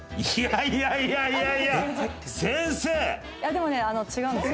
いやでもね違うんです。